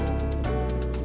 ayo bebek bebek